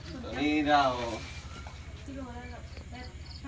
มันมีแบบพ่อ